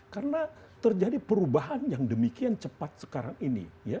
karena terjadi perubahan yang demikian cepat sekarang ini